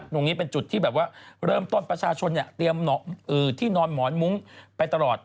ตรงนี้เป็นจุดที่แบบว่าเริ่มต้นประชาชนเตรียมที่นอนหมอนมุ้งไปตลอด